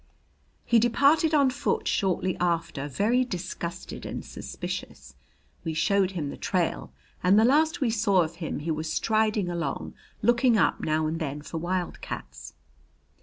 He departed on foot shortly after, very disgusted and suspicious. We showed him the trail, and the last we saw of him he was striding along, looking up now and then for wildcats.